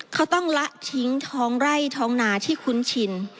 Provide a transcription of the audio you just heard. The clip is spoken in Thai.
เขาต้องละทิ้งท้องไร่ท้องนาที่คุ้นชิน